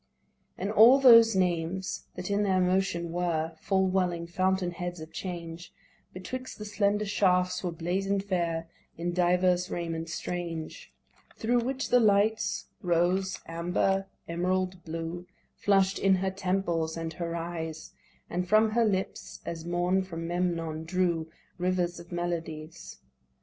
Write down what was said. And all those names that in their motion were Full welling fountain heads of change, Betwixt the slender shafts were blazon'd fair In diverse raiment strange: Thro' which the lights' rose, amber, emerald, blue, Flush'd in her temples and her eyes, And from her lips, as morn from Memnon, drew Rivers of melodies.